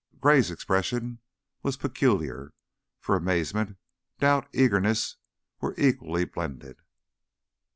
Gray's expression was peculiar, for amazement, doubt, eagerness were equally blended.